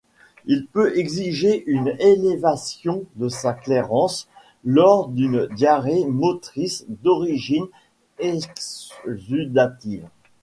Il peut exister une élévation de sa clairance lors d'une diarrhée motrice d'origine exsudative.